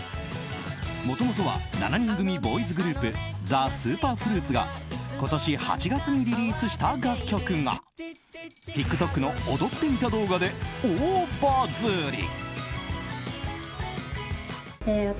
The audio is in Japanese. もともとは７人組ボーイズグループＴＨＥＳＵＰＥＲＦＲＵＩＴが今年８月にリリースした楽曲がＴｉｋＴｏｋの踊ってみた動画で大バズリ。